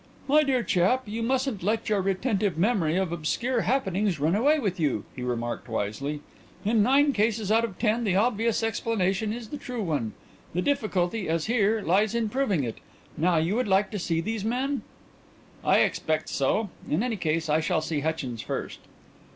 "My dear chap, you mustn't let your retentive memory of obscure happenings run away with you," he remarked wisely. "In nine cases out of ten the obvious explanation is the true one. The difficulty, as here, lies in proving it. Now, you would like to see these men?" "I expect so; in any case, I will see Hutchins first."